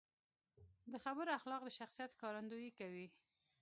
د خبرو اخلاق د شخصیت ښکارندويي کوي.